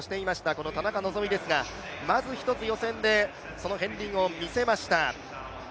この田中希実ですが、まず１つ予選でその片りんを見せました。